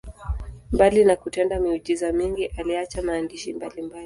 Mbali na kutenda miujiza mingi, aliacha maandishi mbalimbali.